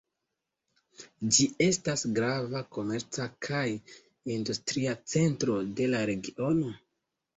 Ĝi estas grava komerca kaj industria centro de la regiono.